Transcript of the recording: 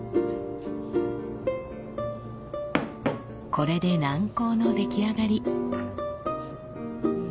これで軟膏の出来上がり。